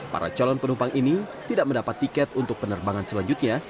para calon penumpang ini tidak mendapat tiket untuk penerbangan selanjutnya